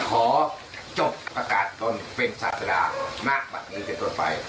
ขอจบประกาศตรงฟรรณฑ์ศาสดามากบัตรนี้เถอะต่อไป